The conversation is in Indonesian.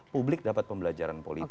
publik dapat pembelajaran politik